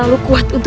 aku harus membantu